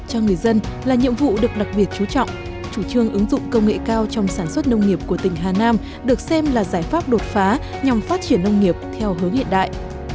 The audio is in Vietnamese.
công nghệ cao trong sản xuất nông nghiệp của tỉnh hà nam được xem là giải pháp đột phá nhằm phát triển nông nghiệp theo hướng hiện đại